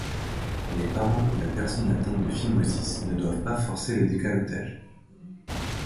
Les parents ou la personne atteinte de phimosis ne doivent pas forcer le décalottage.